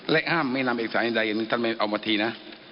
และห้ามไม่นำเอกสารในใดอย่างที่ท่านเอามาทีนะ